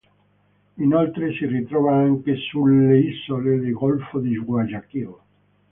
Inoltre si ritrova anche sulle isole del Golfo di Guayaquil.